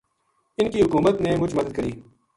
انھ کی حکومت نے مُچ مدد کری